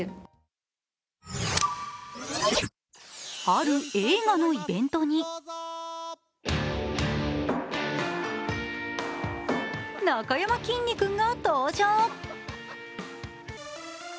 ある映画のイベントになかやまきんに君が登場。